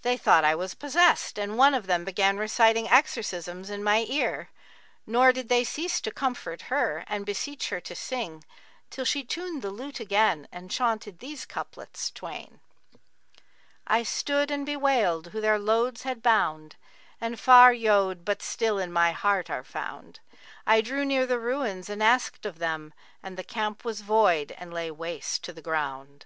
They thought I was possessed[FN#45] and one of them began reciting exorcisms in my ear; nor did they cease to comfort her and beseech her to sing, till she tuned the lute again and chaunted these couplets twain, 'I stood and bewailed who their loads had bound * And far yode but still in my heart are found; I drew near the ruins and asked of them * And the camp was void and lay waste the ground.'